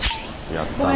やったな。